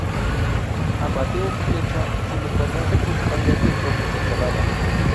A Mateo Flecha se le conoce principalmente por sus ensaladas.